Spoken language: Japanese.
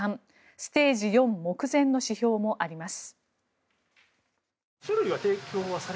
ステージ４目前の指標もあります。